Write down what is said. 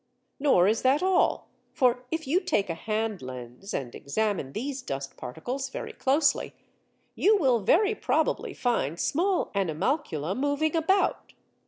Nor is that all, for if you take a hand lens and examine these dust particles very closely, you will very probably find small animalcula moving about.